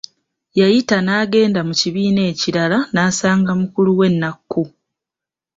Yayita n'agenda mu kibiina ekirala n'asanga mukuluwe Nnakku.